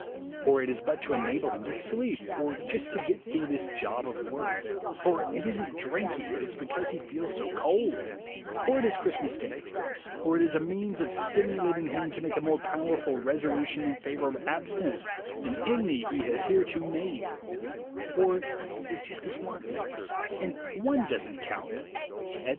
Or it is but to enable him to sleep, or just to get through this job of work; or it isn't drinking, it is because he feels so cold; or it is Christmas day; or it is a means of stimulating him to make a more powerful resolution in favor of abstinence than any he has hitherto made; or it is just this once, and one doesn't count, etc.